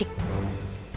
tidak pernah bisa membunuhnya